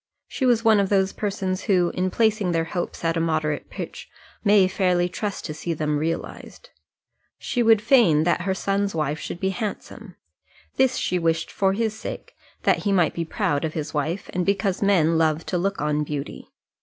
She was one of those persons who, in placing their hopes at a moderate pitch, may fairly trust to see them realized. She would fain that her son's wife should be handsome; this she wished for his sake, that he might be proud of his wife, and because men love to look on beauty.